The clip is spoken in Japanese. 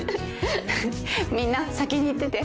みんな先に行ってて。